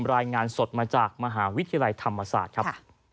รายงานสดมาจากมหาวิทยาลัยธรรมศาสตร์ครับ